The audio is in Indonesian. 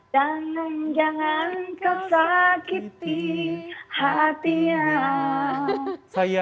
jangan jangan kau sakiti hatinya